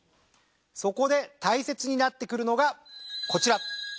そこで大切になってくるのがこちら。